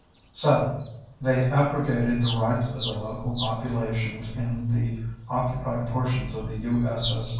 7. They abrogated the rights of the local populations in the occupied portions of the U.S.S.